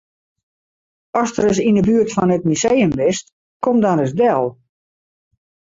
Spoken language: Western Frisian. Ast ris yn 'e buert fan it museum bist, kom dan ris del.